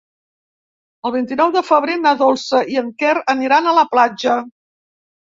El vint-i-nou de febrer na Dolça i en Quer aniran a la platja.